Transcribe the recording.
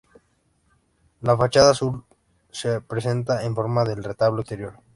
La fachada sur se presenta en forma de retablo exterior.